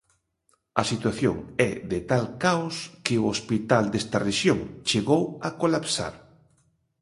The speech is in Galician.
A situación é de tal caos que o hospital desta rexión chegou a colapsar.